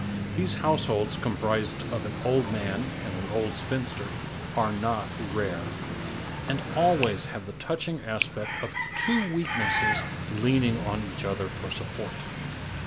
These households comprised of an old man and an old spinster are not rare, and always have the touching aspect of two weaknesses leaning on each other for support.